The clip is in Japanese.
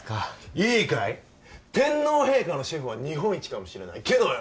いいかい天皇陛下のシェフは日本一かもしれないけどよ